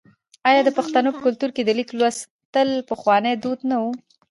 آیا د پښتنو په کلتور کې د لیک لوستل پخوانی دود نه و؟